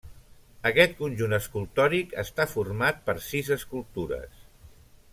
Aquest conjunt escultòric està format per sis escultures.